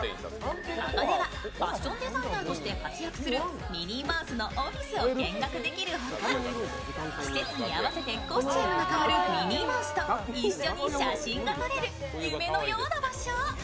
ここではファッションデザイナーとして活躍するミニーマウスのオフィスを見学できるほか、季節に合わせてコスチュームが替わるミニーマウスと一緒に写真が撮れる夢のような場所。